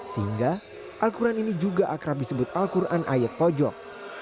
sehingga al quran ini juga akrab disebut al quran ayat pojok